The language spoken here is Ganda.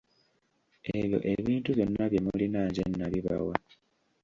Ebyo ebintu byonna bye mulina nze nabibabwa.